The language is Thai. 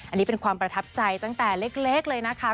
อันนี้เป็นความประทับใจตั้งแต่เล็กเลยนะคะ